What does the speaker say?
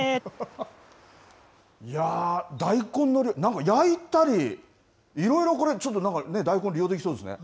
大根の、なんか焼いたり、いろいろこれ、ちょっと大根、利用できそうですね。